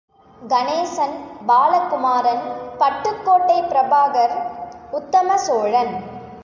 Ganesan, Balakumaran, Pattukkottai Prabhakar.... Uthamacholan.